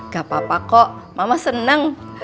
gak apa apa kok mama senang